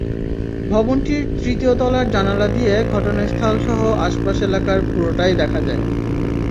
ভবনটির তৃতীয় তলার জানালা দিয়ে ঘটনাস্থলসহ আশপাশ এলাকার পুরোটাই দেখা যায়।